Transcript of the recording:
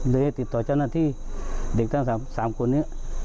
ได้ติดต่อเจ้าหน้าที่เด็กทั้ง๓คนนี้